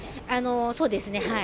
そうですね、はい。